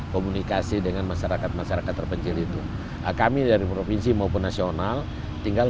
komunikasi dengan masyarakat masyarakat terpencil itu kami dari provinsi maupun nasional tinggal